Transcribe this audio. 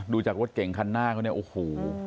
ดูจากรถเก่งข้างหน้าก็เนี่ยโอ้โห